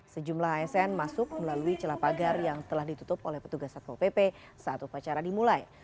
sejumlah asn masuk melalui celah pagar yang telah ditutup oleh petugas satpol pp saat upacara dimulai